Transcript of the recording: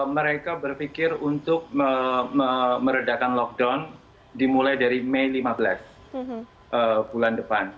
mereka berpikir untuk meredakan lockdown dimulai dari mei lima belas bulan depan